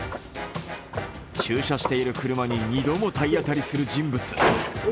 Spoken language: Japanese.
駐車している車に２度も体当たりする人物。